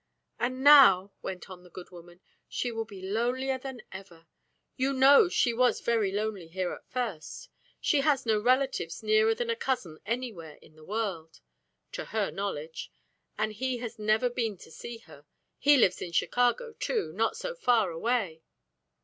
"And now," went on the good woman, "she will be lonelier than ever. You know she was very lonely here at first. She has no relatives nearer than a cousin anywhere in the world, to her knowledge. And he has never been to see her. He lives in Chicago, too, not so far away."